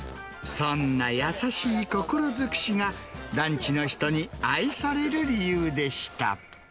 そんな優しい心尽くしが、団地の人に愛される理由でした。